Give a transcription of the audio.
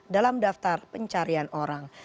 dalam daftar pencarian orang